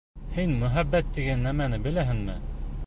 Һин мөхәббәт тигән нәмәне беләһеңме?